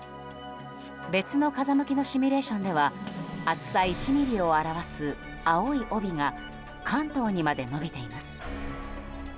別の風向きのシミュレーションでは厚さ１ｍｍを表す青い帯が関東にまで延びています。